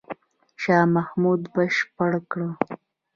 شاه محمود بشپړ کړ.